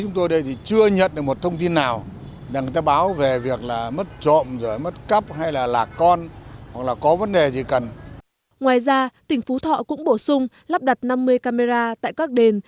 ngoài ra tỉnh phú thọ cũng bổ sung lắp đặt năm mươi camera tại các đền